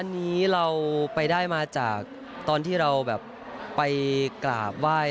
อันนี้เราไปได้มาจากตอนที่เราแบบไปกราบไหว้